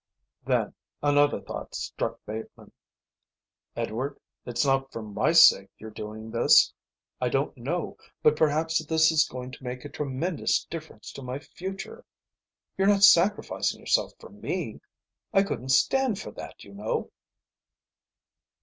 Then another thought struck Bateman. "Edward, it's not for my sake you're doing this? I don't know, but perhaps this is going to make a tremendous difference to my future. You're not sacrificing yourself for me? I couldn't stand for that, you know."